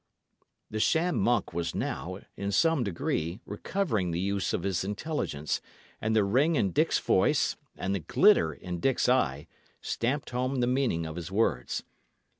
The sham monk was now, in some degree, recovering the use of his intelligence; and the ring in Dick's voice, and the glitter in Dick's eye, stamped home the meaning of his words.